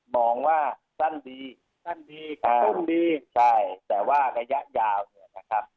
มองว่าสั้นดีสั้นดีกระตุ้นดีใช่แต่ว่าระยะยาวเนี่ยนะครับ